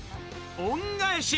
恩返し